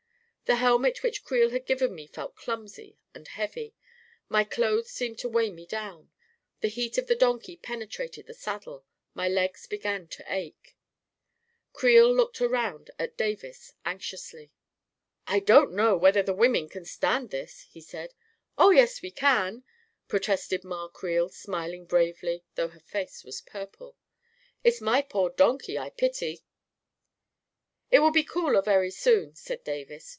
The helmet which Creel had given me felt clumsy and heavy; my clothes seemed to weigh me down; the heat of the donkey penetrated the saddle; my legs began to ache ... Creel looked around at Davis anxiously. % A KING IN BABYLON 107 " I don't know whether the women can stand this," he said. " Oh, yes, we can !" protested Ma Creel, smil ing bravely, though her face was purple. " It's my poor donkey I pity I "" It will be cooler very soon," said Davis.